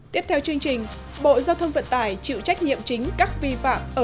tiếp theo chương trình bộ giao thông vận tải chịu trách nhiệm chính các vi phạm